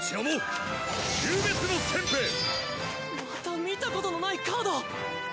また見たことのないカード。